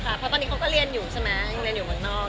เพราะตอนนี้เขาก็เรียนอยู่ใช่ไหมยังเรียนอยู่เมืองนอก